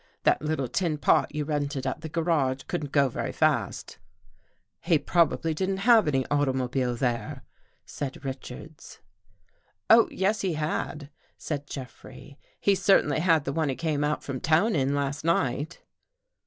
That little tin pot you rented at the garage couldn't go very fast." 277 THE GHOST GIRL " He probably didn't have any automobile there," said Richards. " Oh, yes, he had," said Jeffrey. " He certainly had the one he came out from town in last night."